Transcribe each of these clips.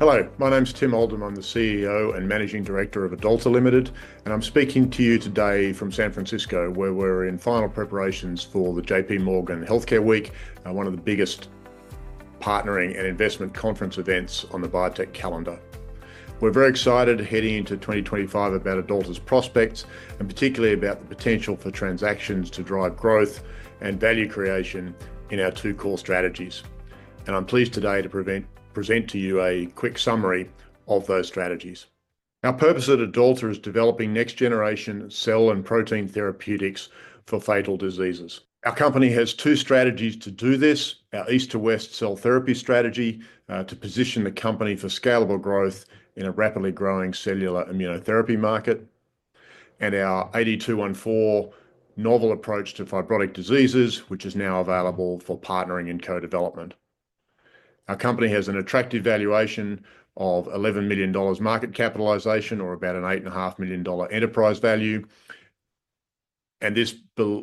Hello, my name is Tim Oldham. I'm the CEO and Managing Director of AdAlta Limited, and I'm speaking to you today from San Francisco, where we're in final preparations for the J.P. Morgan Healthcare Week, one of the biggest partnering and investment conference events on the biotech calendar. We're very excited heading into 2025 about AdAlta's prospects and particularly about the potential for transactions to drive growth and value creation in our two core strategies, and I'm pleased today to present to you a quick summary of those strategies. Our purpose at AdAlta is developing next-generation cell and protein therapeutics for fatal diseases. Our company has two strategies to do this: our East-to-West cell therapy strategy to position the company for scalable growth in a rapidly growing cellular immunotherapy market, and our AD-214 novel approach to fibrotic diseases, which is now available for partnering and co-development. Our company has an attractive valuation of 11 million dollars market capitalization, or about an 8.5 million dollar enterprise value, and this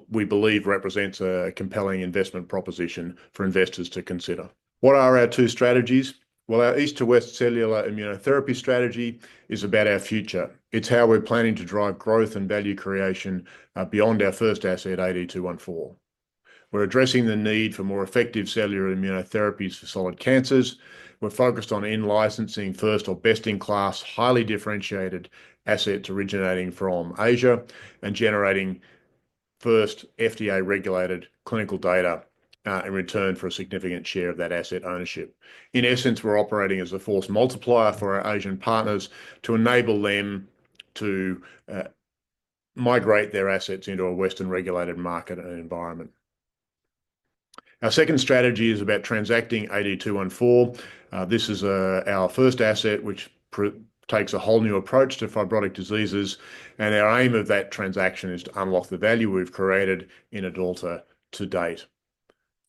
we believe represents a compelling investment proposition for investors to consider. What are our two strategies? Our East-to-West cellular immunotherapy strategy is about our future. It's how we're planning to drive growth and value creation beyond our first asset, AD-214. We're addressing the need for more effective cellular immunotherapies for solid cancers. We're focused on in-licensing first or best-in-class, highly differentiated assets originating from Asia and generating first FDA-regulated clinical data in return for a significant share of that asset ownership. In essence, we're operating as a force multiplier for our Asian partners to enable them to migrate their assets into a Western-regulated market and environment. Our second strategy is about transacting AD-214. This is our first asset, which takes a whole new approach to fibrotic diseases, and our aim of that transaction is to unlock the value we've created in AdAlta to date.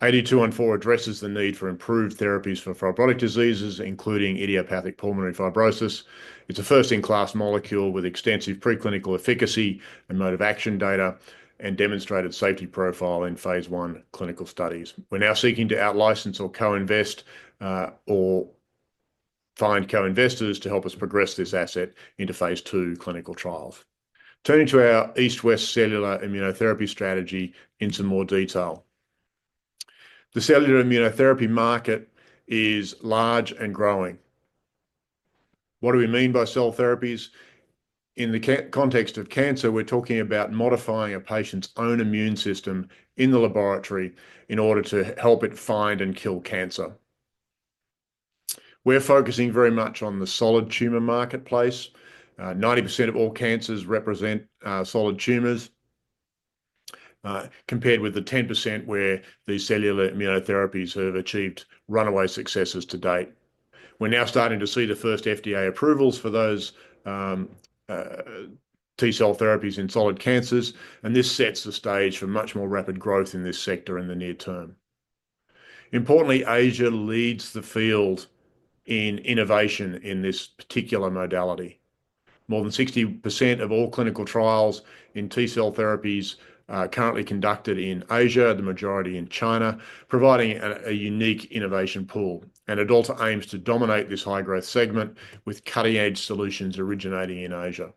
AD-214 addresses the need for improved therapies for fibrotic diseases, including idiopathic pulmonary fibrosis. It's a first-in-class molecule with extensive preclinical efficacy and mode of action data and demonstrated safety profile in phase 1 clinical studies. We're now seeking to out-license or co-invest or find co-investors to help us progress this asset into phase 2 clinical trials. Turning to our East-West cellular immunotherapy strategy in some more detail, the cellular immunotherapy market is large and growing. What do we mean by cell therapies? In the context of cancer, we're talking about modifying a patient's own immune system in the laboratory in order to help it find and kill cancer. We're focusing very much on the solid tumor marketplace. 90% of all cancers represent solid tumors, compared with the 10% where these cellular immunotherapies have achieved runaway successes to date. We're now starting to see the first FDA approvals for those T cell therapies in solid cancers, and this sets the stage for much more rapid growth in this sector in the near term. Importantly, Asia leads the field in innovation in this particular modality. More than 60% of all clinical trials in T cell therapies are currently conducted in Asia, the majority in China, providing a unique innovation pool, and AdAlta aims to dominate this high-growth segment with cutting-edge solutions originating in Asia.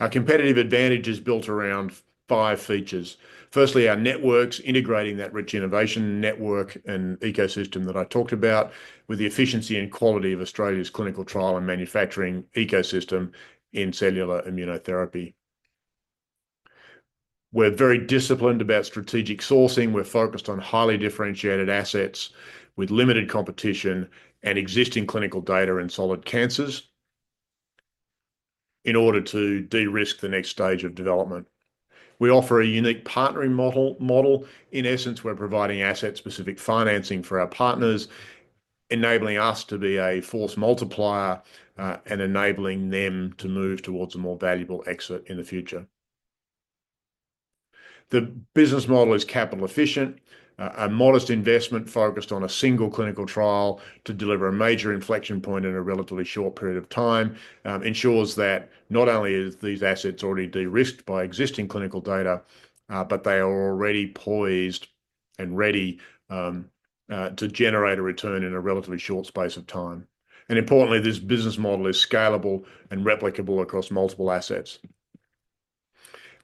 Our competitive advantage is built around five features. Firstly, our networks, integrating that rich innovation network and ecosystem that I talked about with the efficiency and quality of Australia's clinical trial and manufacturing ecosystem in cellular immunotherapy. We're very disciplined about strategic sourcing. We're focused on highly differentiated assets with limited competition and existing clinical data in solid cancers in order to de-risk the next stage of development. We offer a unique partnering model. In essence, we're providing asset-specific financing for our partners, enabling us to be a force multiplier and enabling them to move towards a more valuable exit in the future. The business model is capital-efficient. A modest investment focused on a single clinical trial to deliver a major inflection point in a relatively short period of time ensures that not only are these assets already de-risked by existing clinical data, but they are already poised and ready to generate a return in a relatively short space of time. And importantly, this business model is scalable and replicable across multiple assets.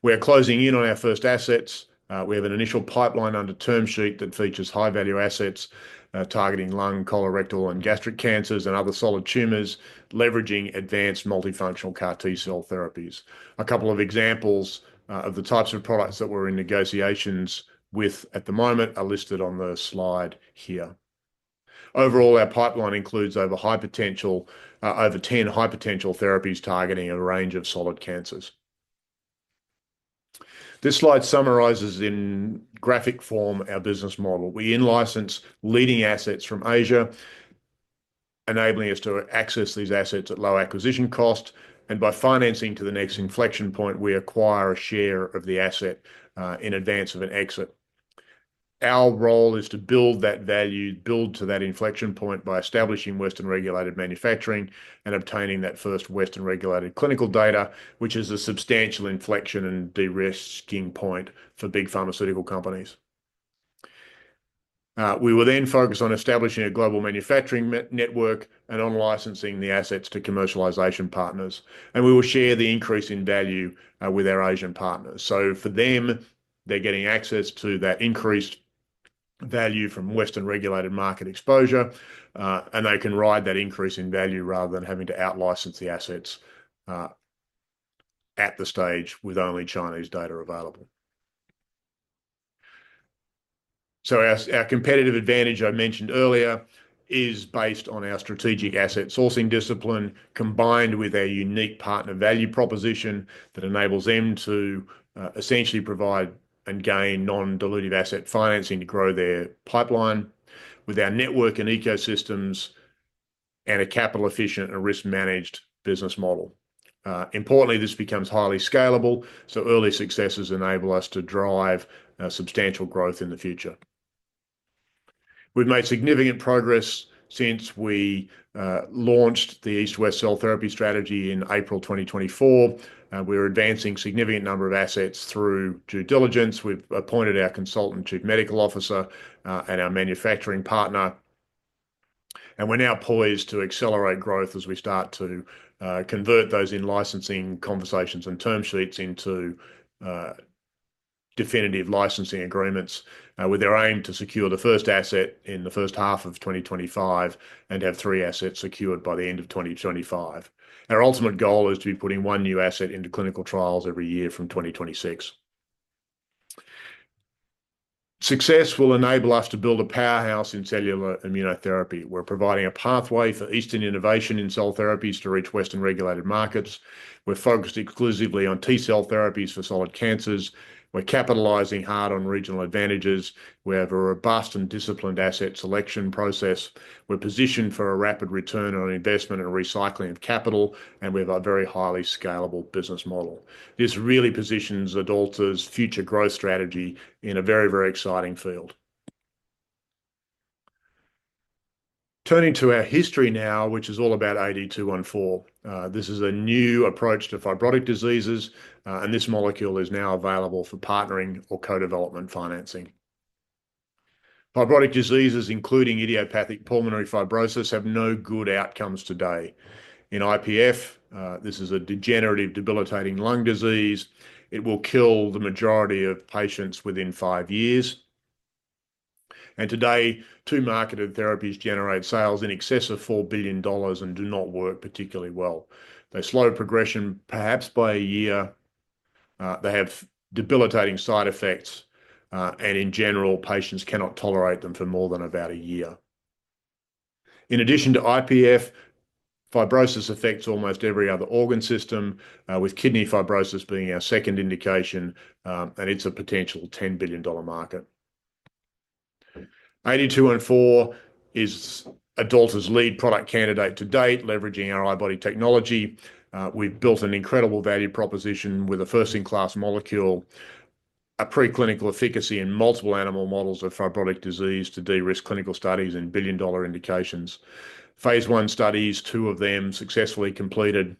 We are closing in on our first assets. We have an initial pipeline under term sheet that features high-value assets targeting lung, colorectal, and gastric cancers and other solid tumors, leveraging advanced multifunctional CAR T cell therapies. A couple of examples of the types of products that we're in negotiations with at the moment are listed on the slide here. Overall, our pipeline includes over 10 high-potential therapies targeting a range of solid cancers. This slide summarizes in graphic form our business model. We in-license leading assets from Asia, enabling us to access these assets at low acquisition cost. And by financing to the next inflection point, we acquire a share of the asset in advance of an exit. Our role is to build that value, build to that inflection point by establishing Western-regulated manufacturing and obtaining that first Western-regulated clinical data, which is a substantial inflection and de-risking point for big pharmaceutical companies. We will then focus on establishing a global manufacturing network and on licensing the assets to commercialization partners, and we will share the increase in value with our Asian partners, so for them, they're getting access to that increased value from Western-regulated market exposure, and they can ride that increase in value rather than having to out-license the assets at the stage with only Chinese data available, so our competitive advantage I mentioned earlier is based on our strategic asset sourcing discipline combined with our unique partner value proposition that enables them to essentially provide and gain non-dilutive asset financing to grow their pipeline with our network and ecosystems and a capital-efficient and risk-managed business model. Importantly, this becomes highly scalable, so early successes enable us to drive substantial growth in the future. We've made significant progress since we launched the East-West cell therapy strategy in April 2024. We're advancing a significant number of assets through due diligence. We've appointed our consultant chief medical officer and our manufacturing partner. And we're now poised to accelerate growth as we start to convert those in-licensing conversations and term sheets into definitive licensing agreements with our aim to secure the first asset in the first half of 2025 and have three assets secured by the end of 2025. Our ultimate goal is to be putting one new asset into clinical trials every year from 2026. Success will enable us to build a powerhouse in cellular immunotherapy. We're providing a pathway for Eastern innovation in cell therapies to reach Western-regulated markets. We're focused exclusively on T cell therapies for solid cancers. We're capitalizing hard on regional advantages. We have a robust and disciplined asset selection process. We're positioned for a rapid return on investment and recycling of capital, and we have a very highly scalable business model. This really positions AdAlta's future growth strategy in a very, very exciting field. Turning to our history now, which is all about AD-214. This is a new approach to fibrotic diseases, and this molecule is now available for partnering or co-development financing. Fibrotic diseases, including idiopathic pulmonary fibrosis, have no good outcomes today. In IPF, this is a degenerative debilitating lung disease. It will kill the majority of patients within five years, and today, two marketed therapies generate sales in excess of $4 billion and do not work particularly well. They slow progression perhaps by a year. They have debilitating side effects, and in general, patients cannot tolerate them for more than about a year. In addition to IPF, fibrosis affects almost every other organ system, with kidney fibrosis being our second indication, and it's a potential $10 billion market. AD-214 is AdAlta's lead product candidate to date, leveraging our i-body technology. We've built an incredible value proposition with a first-in-class molecule, a preclinical efficacy in multiple animal models of fibrotic disease to de-risk clinical studies and billion-dollar indications. Phase 1 studies, 2 of them successfully completed,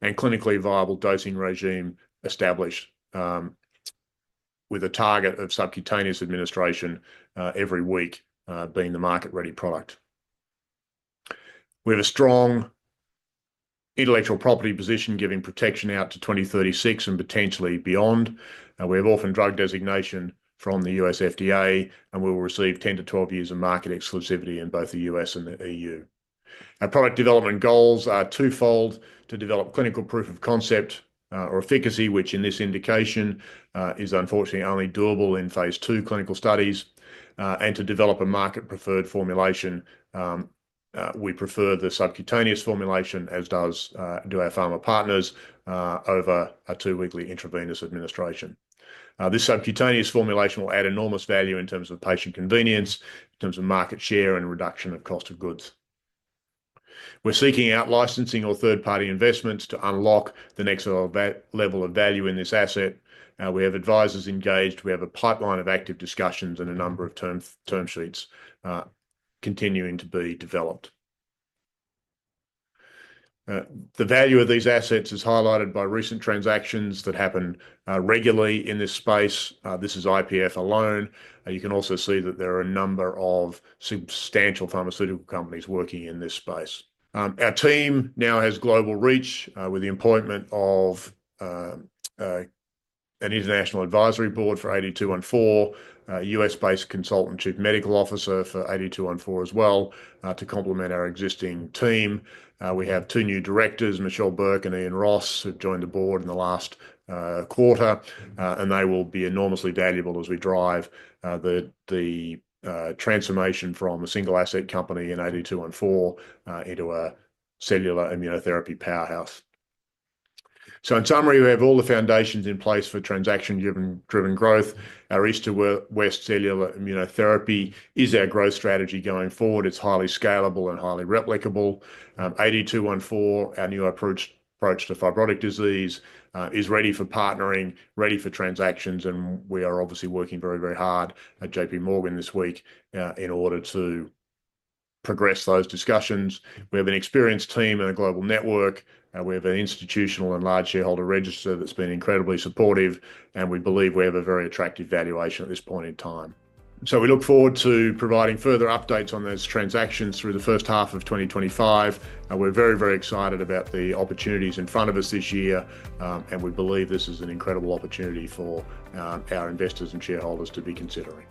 and clinically viable dosing regimen established with a target of subcutaneous administration every week being the market-ready product. We have a strong intellectual property position giving protection out to 2036 and potentially beyond. We have Orphan Drug Designation from the U.S. FDA, and we will receive 10 to 12 years of market exclusivity in both the U.S. and the E.U. Our product development goals are twofold: to develop clinical proof of concept or efficacy, which in this indication is unfortunately only doable in phase 2 clinical studies, and to develop a market-preferred formulation. We prefer the subcutaneous formulation, as do our pharma partners, over a two-weekly intravenous administration. This subcutaneous formulation will add enormous value in terms of patient convenience, in terms of market share, and reduction of cost of goods. We're seeking out licensing or third-party investments to unlock the next level of value in this asset. We have advisors engaged. We have a pipeline of active discussions and a number of term sheets continuing to be developed. The value of these assets is highlighted by recent transactions that happen regularly in this space. This is IPF alone. You can also see that there are a number of substantial pharmaceutical companies working in this space. Our team now has global reach with the appointment of an international advisory board for AD-214, a U.S.-based consultant chief medical officer for AD-214 as well to complement our existing team. We have two new directors, Michelle Burke and Iain Ross, who joined the board in the last quarter, and they will be enormously valuable as we drive the transformation from a single asset company in AD-214 into a cellular immunotherapy powerhouse. So in summary, we have all the foundations in place for transaction-driven growth. Our East-to-West cellular immunotherapy is our growth strategy going forward. It's highly scalable and highly replicable. AD-214, our new approach to fibrotic disease, is ready for partnering, ready for transactions, and we are obviously working very, very hard at J.P. Morgan this week in order to progress those discussions. We have an experienced team and a global network. We have an institutional and large shareholder register that's been incredibly supportive, and we believe we have a very attractive valuation at this point in time. So we look forward to providing further updates on those transactions through the first half of 2025. We're very, very excited about the opportunities in front of us this year, and we believe this is an incredible opportunity for our investors and shareholders to be considering.